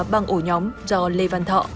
băng ổ nhóm do lê văn thọ